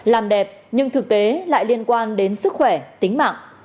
làm đẹp nhưng thực tế lại liên quan đến sức khỏe tính mạng